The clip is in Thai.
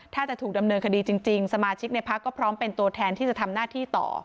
ถ้าจะถูกดำเนินคดีจริงสมาชิกในพักก็พร้อมเป็นตัวแทนที่จะทำหน้าที่ต่อ